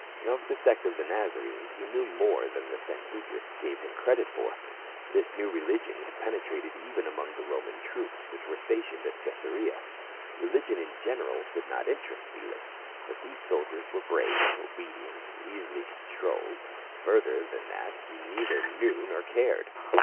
Of the sect of the Nazarenes he knew more than the Sanhedrists gave him credit for ; this new religion had penetrated even among the Roman troops which were stationed at Caesarea.* Religion in general did not interest Felix, but these soldiers were brave, obedient, easily controlled, fur ther than that he neither knew nor cared.